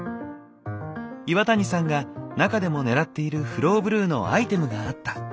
岩谷さんが中でも狙っているフローブルーのアイテムがあった。